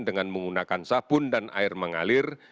dengan menggunakan sabun dan air mengalir